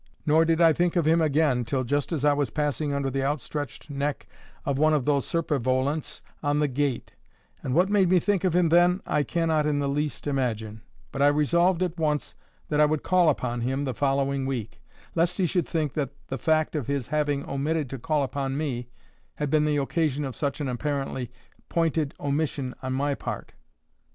Nor did I think of him again till just as I was passing under the outstretched neck of one of those serpivolants on the gate; and what made me think of him then, I cannot in the least imagine; but I resolved at once that I would call upon him the following week, lest he should think that the fact of his having omitted to call upon me had been the occasion of such an apparently pointed omission on my part.